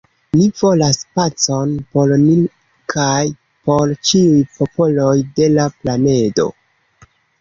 Ni volas pacon por ni kaj por ĉiuj popoloj de la planedo.